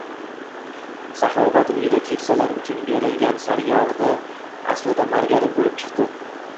"Saxovat" uyida keksalar uchun berilgan sariyog‘ aslida margarin bo‘lib chiqdi...